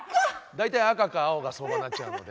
大体赤か青が相場になっちゃうので。